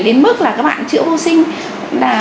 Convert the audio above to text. đến mức là các bạn chữa vô sinh